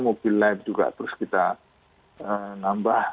mobil lab juga terus kita nambah